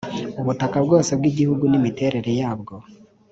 ubutaka bwose bw Igihugu ni imiterere yabwo